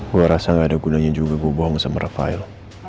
gue rasa gak ada gunanya juga gue buang sama rafael